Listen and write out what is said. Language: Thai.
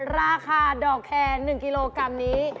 ราคาดอกแคร์๑กิโลกรัมนี้